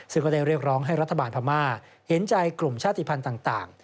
ซึ่งก็ได้เรียกร้องให้รัฐบาลพม่าเห็นใจกลุ่มชาติภัณฑ์ต่าง